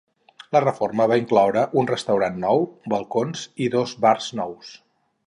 La reforma va incloure un restaurant nou, balcons i dos bars nous.